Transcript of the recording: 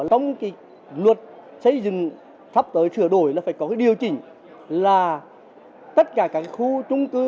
trong luật xây dựng sắp tới sửa đổi là phải có điều chỉnh là tất cả các khu trung cư